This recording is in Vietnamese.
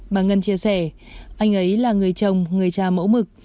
bà ngân chia sẻ anh ấy là người chồng người cha mẫu mực